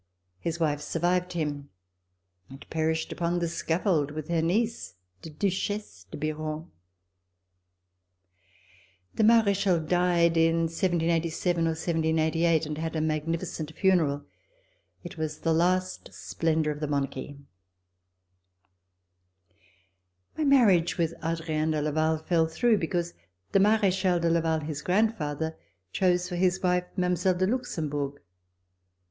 His wife survived him and perished upon the scaffold with her niece, the Duchesse de Biron. The Marechal died in 1787 or 1788 and had a magnificent funeral. It was the last splendor of the Monarchy. My marriage with Adrien de Laval fell through, because the Marechal de Laval, his grandfather, chose for his wife Mile, de Luxembourg.